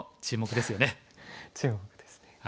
注目ですね。